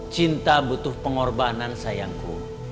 cinta butuh pengorbanan sayangku